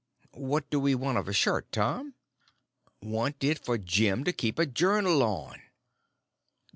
"What do we want of a shirt, Tom?" "Want it for Jim to keep a journal on."